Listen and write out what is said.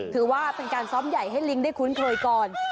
ถือว่าเป็นการซ้อมใหญ่ให้ลิงได้คุ้นเคยก่อน